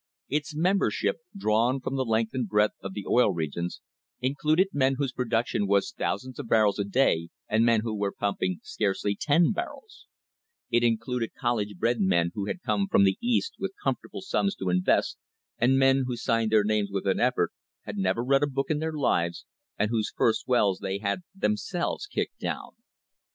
Its member ship, drawn from the length and breadth of the Oil Regions, included men whose production was thousands of barrels a day and men who were pumping scarcely ten barrels; it included college bred men who had come from the East with comfortable sums to invest, and men who signed their names with an effort, had never read a book in their lives, and whose first wells they had themselves "kicked down."